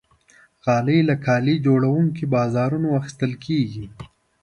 غالۍ له کالي جوړونکي بازارونو اخیستل کېږي.